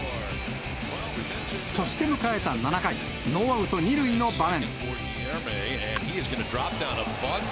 そして迎えた７回、ノーアウト２塁の場面。